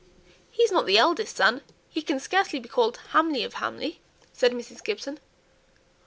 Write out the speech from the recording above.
"He's not the eldest son; he can scarcely be called Hamley of Hamley!" said Mrs. Gibson.